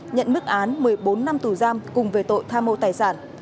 nhận mức án một mươi bốn năm tù giam cùng với tội tha mô tài sản